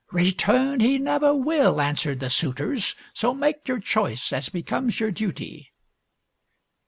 " Return, he never will," answered the suitors. " So make your choice, as becomes your duty."